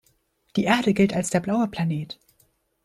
Die Erde gilt als der „blaue Planet“.